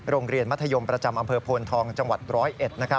โรงเรียนมัธยมประจำอำเภอโพนทองจังหวัดร้อยเอ็ด